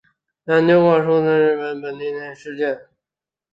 研究过数次日本国内地震事件。